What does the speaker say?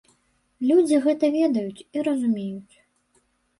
Людзі гэта ведаюць і разумеюць.